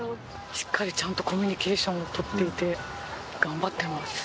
しっかりちゃんとコミュニケーションを取っていて頑張っています。